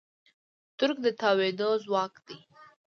تورک د تاوېدو ځواک دی.